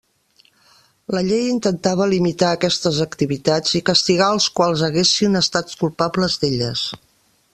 La Llei intentava limitar aquestes activitats i castigar als quals haguessin estat culpables d'elles.